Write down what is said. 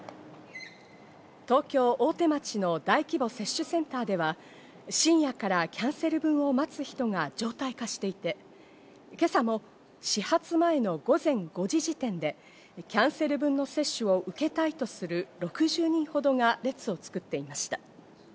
東京・大手町の大規模接種センターでは深夜からキャンセル分を待つ人が常態化していて、今朝も始発前の午前５時時点で、キャンセル分の接種を受けたいとする６０人ほどが列を作っていました。